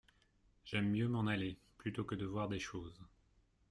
J’aime mieux m’en aller ! plutôt que de voir des choses…